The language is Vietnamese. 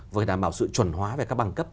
vừa đảm bảo sự chuẩn hóa về các bằng cấp